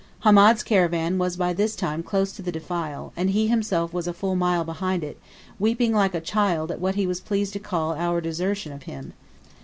Hamed's caravan was by this time close to the defile, and he himself was a full mile behind it, weeping like a child at what he was pleased to call our desertion of him.